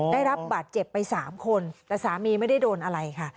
ได้รับบาดเจ็บไป๓คนแต่สามีไม่ได้โดนอะไรค่ะ